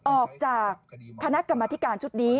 ออกจากคณะกรรมธิการชุดนี้